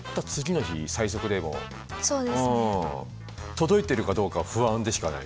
届いてるかどうか不安でしかない。